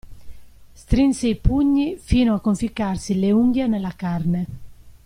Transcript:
Strinse i pugni fino a conficcarsi le unghie nella carne.